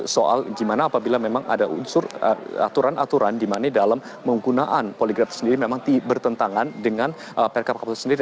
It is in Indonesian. soal gimana apabila memang ada unsur aturan aturan di mana dalam menggunakan poligraf sendiri memang bertentangan dengan perkap kapten sendiri